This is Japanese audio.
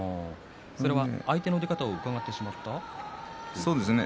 相手の出方をうかがってしまったということですか？